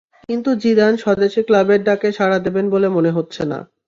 কিন্তু জিদান স্বদেশি ক্লাবের ডাকে সারা দেবেন বলে মনে হচ্ছে না।